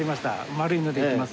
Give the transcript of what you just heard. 丸いのでいきます。